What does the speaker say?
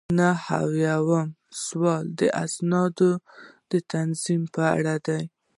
نهه اویایم سوال د اسنادو د تنظیم په اړه دی.